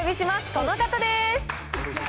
この方です。